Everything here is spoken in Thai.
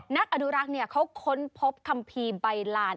นักอนุรักษ์เขาค้นพบคัมภีร์ใบลาน